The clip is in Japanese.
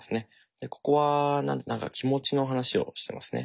でここは何か気持ちの話をしてますね。